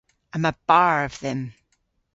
Yma barv dhymm.